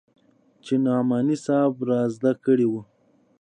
چې نعماني صاحب رازده کړې وه.